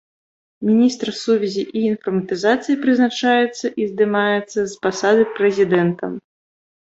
Міністр сувязі і інфарматызацыі прызначаецца і здымаецца з пасады прэзідэнтам.